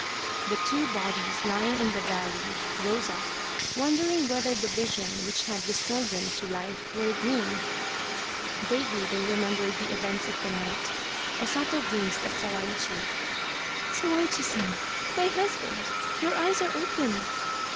The two bodies lying in the valley rose up, wonder ing whether the vision which had restored them to life were a dream. Vaguely they remembered the events of the night. Sato gazed at Sawaichi :" Sawaichi San ! My husband ! Your eyes are open